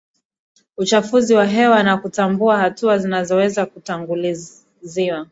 uchafuzi wa hewa na kutambua hatua zinazoweza kutangulizwa